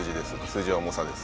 数字は重さです。